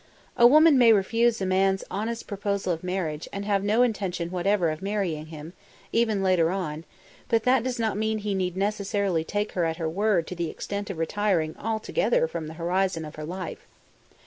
A woman may refuse a man's honest proposal of marriage and have no intention whatever of marrying him, even later on, but that does not mean he need necessarily take her at her word to the extent of retiring altogether from the horizon of her life.